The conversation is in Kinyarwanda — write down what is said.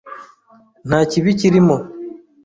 Nta kibi kirimo.